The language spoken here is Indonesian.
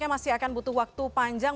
masih akan butuh waktu panjang